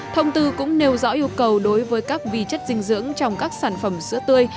thông tư cũng nêu rõ yêu cầu đối với các vi chất dinh dưỡng trong các sản phẩm sữa tươi